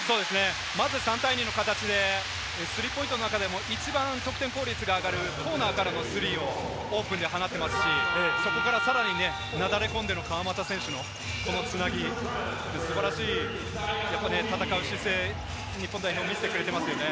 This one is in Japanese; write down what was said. まず３対２の形でスリーポイントの中でも一番得点効率が上がるコーナーからのスリーをオープンで放っていますし、そこからさらにね、なだれ込んでの川真田選手のこの繋ぎ、素晴らしい戦う姿勢、日本代表、見せてくれてますね。